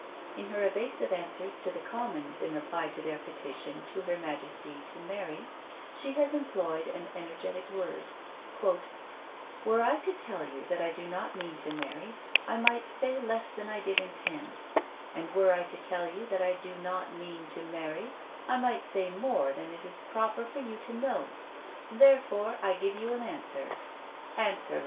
In her evasive answers to the Commons, in reply to their petitions to her majesty to marry, she has employed an energetic word: "Were I to tell you that I do not mean to marry, I might say less than I did intend; and were I to tell you that I do mean to marry, I might say more than it is proper for you to know; therefore I give you an answer, ANSWERLESS!"